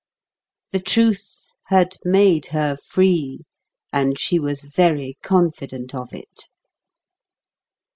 The Truth had made her Free, and she was very confident of it.